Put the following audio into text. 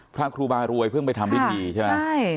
พระครูบารวยเพิ่งไปทำพิธีใช่ไหม